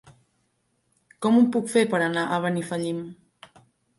Com ho puc fer per anar a Benifallim?